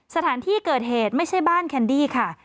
สถานที่เกิดเหตุไม่ใช่บ้านแคนดี้ค่ะ